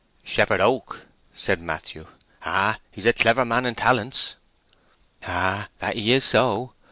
"Shepherd Oak," said Matthew. "Ah, he's a clever man in talents!" "Ah, that he is so!"